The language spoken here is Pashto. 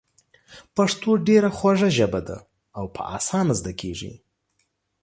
پښتو ډېره خوږه ژبه ده او په اسانه زده کېږي.